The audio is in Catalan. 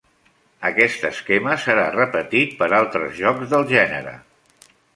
Aquest esquema serà repetit per altres jocs del gènere.